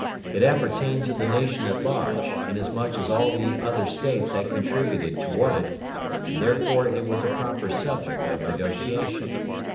It appertained to the nation at large, inasmuch as all the other States had contributed toward it, and therefore it was a proper subject of negotiation.